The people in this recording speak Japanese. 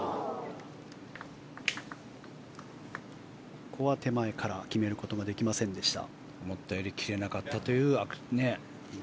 ここは手前から決めることができませんでした。